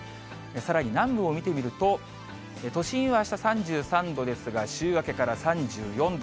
さらに南部を見てみると、都心は、あした３３度ですが、週明けから３４度。